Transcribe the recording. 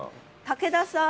竹田さん。